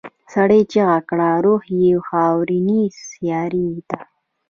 سړي چيغه کړه روح یې خاورینې سیارې ته.